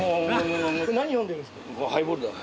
何飲んでるんですか？